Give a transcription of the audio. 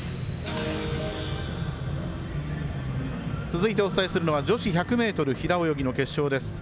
続いて、お伝えするのは女子１００ｍ平泳ぎの決勝です。